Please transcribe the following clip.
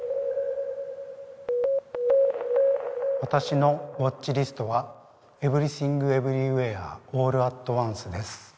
私のＷａｔｃｈＬＩＳＴは「エブリシング・エブリウェア・オール・アット・ワンス」です